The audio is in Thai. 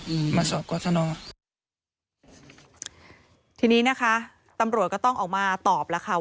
อืมมาสอบกรสนทีนี้นะคะตำรวจก็ต้องออกมาตอบแล้วค่ะ